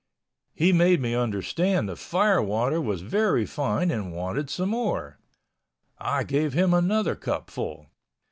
He made me understand the fire water was very fine and wanted some more. I gave him another cupful.